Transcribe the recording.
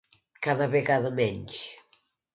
Cada vegada menys.